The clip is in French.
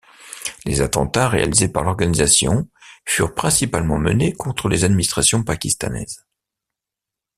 Les attentats réalisés par l'organisation furent principalement menés contre les administrations pakistanaises.